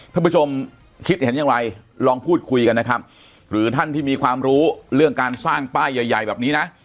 ท่านผู้ชมคิดเห็นอย่างไรลองพูดคุยกันนะครับหรือท่านที่มีความรู้เรื่องการสร้างป้ายใหญ่ใหญ่แบบนี้นะ